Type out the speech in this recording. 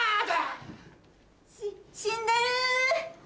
死んでる！